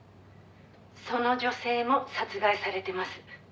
「その女性も殺害されてます」